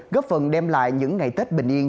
góp phần đem lại những ngày tết bình yên